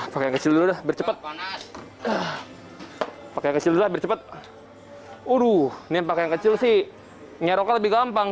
pakai kecil bercepat pakai kecil lebih cepet uruh ini pakai kecil sih nyerok lebih gampang